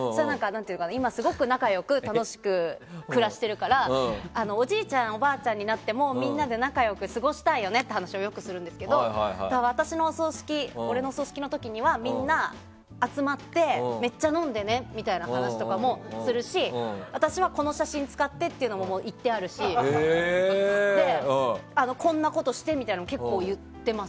今、すごく仲良く楽しく暮らしているからおじいちゃんやおばあちゃんになってもみんなで仲良く過ごしたいよねって話をよくするんですけど私のお葬式、俺のお葬式の時にはみんな集まってめっちゃ飲んでねみたいな話もするし私はこの写真使ってっていうのも言ってあるしこんなことしてみたいなのも結構言ってます。